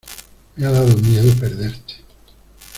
me ha dado miedo perderte.